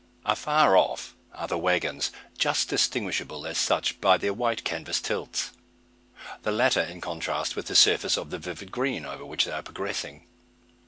Afar off are the waggons, just distinguishable as such by their white canvas tilts the latter in contrast with the surface of vivid green over which they are progressing.